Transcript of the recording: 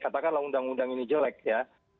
katakanlah undang undang ini jelek ya